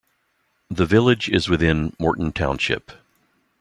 The village is within Morton Township.